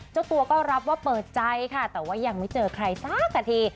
เจ้าตัวก็รับว่าเปิดใจค่ะแต่ว่ายังไม่เจอใครสักสักที